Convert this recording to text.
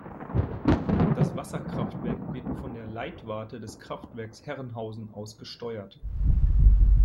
Das Wasserkraftwerk wird von der Leitwarte des Kraftwerks Herrenhausen aus gesteuert.